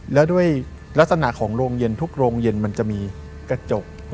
แล้วด้วยลักษณะของโรงเย็นทุกโรงเย็นมันจะมีกระจก